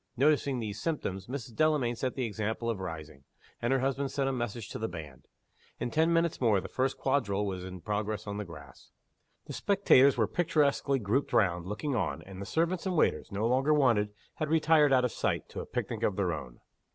Noticing these symptoms, Mrs. Delamayn set the example of rising; and her husband sent a message to the band. In ten minutes more the first quadrille was in progress on the grass; the spectators were picturesquely grouped round, looking on; and the servants and waiters, no longer wanted, had retired out of sight, to a picnic of their own.